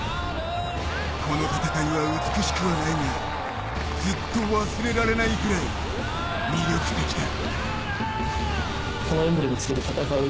この戦いは美しくはないがずっと忘れられないぐらい魅力的だ。